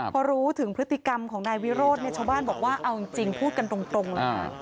พอรู้ถึงพฤติกรรมของนายวิโรธเนี่ยชาวบ้านบอกว่าเอาจริงพูดกันตรงเลยค่ะ